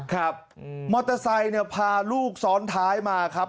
ครับมอเตอร์ไซค์เนี่ยพาลูกซ้อนท้ายมาครับ